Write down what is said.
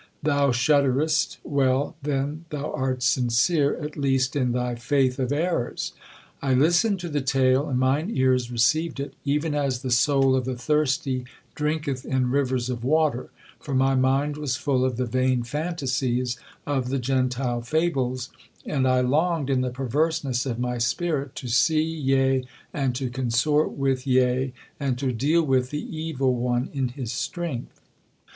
Thou shudderest—well, then, thou art sincere, at least, in thy faith of errors. I listened to the tale, and mine ears received it, even as the soul of the thirsty drinketh in rivers of water, for my mind was full of the vain fantasies of the Gentile fables, and I longed, in the perverseness of my spirit, to see, yea, and to consort with, yea, and to deal with, the evil one in his strength.